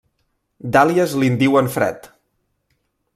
D'àlies li'n diuen Fred.